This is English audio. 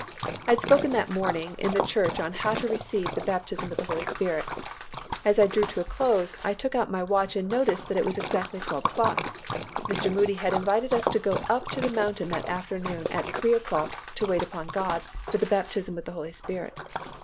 I had spoken that morning in the church on How to Receive the Baptism with the Holy Spirit. As I drew to a close, I took out my watch and noticed that it was exactly twelve o'clock. Mr. Moody had invited us to go up on the mountain that afternoon at three o'clock to wait upon God for the baptism with the Holy Spirit.